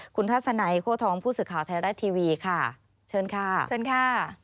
คุณทัศนัยโค้ทองผู้สื่อข่าวไทยรัฐทีวีค่ะเชิญค่ะเชิญค่ะ